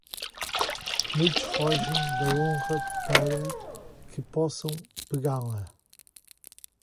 Muitos fogem da honra para que possam pegá-la.